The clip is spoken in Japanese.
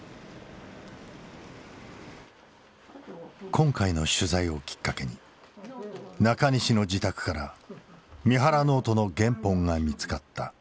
今回の取材をきっかけに中西の自宅から三原ノートの原本が見つかった。